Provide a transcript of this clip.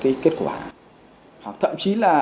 cái kết quả hoặc thậm chí là